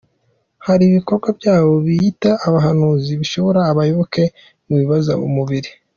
Hari Ibikorwa byabo biyita abahanuzi bishora abayoboke mu bibabaza umubiri.